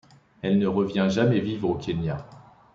Elle ne revient jamais vivre au Kenya.